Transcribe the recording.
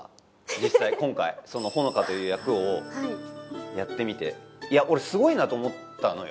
実際今回穂乃果という役をやってみて俺すごいなと思ったのよ